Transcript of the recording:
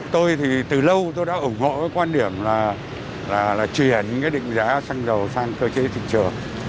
tôi thì từ lâu tôi đã ủng hộ với quan điểm là chuyển những cái định giá xăng dầu sang cơ chế thị trường